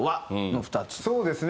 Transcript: そうですね